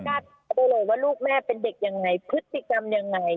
เพราะว่าลูกแม่เป็นเด็กยังไงพฤศจิกรรมอย่างไร